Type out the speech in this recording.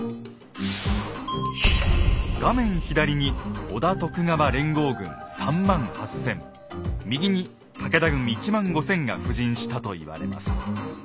画面左に織田・徳川連合軍３万８千右に武田軍１万５千が布陣したと言われます。